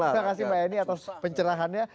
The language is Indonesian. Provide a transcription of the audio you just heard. terima kasih mbak eni atas pencerahannya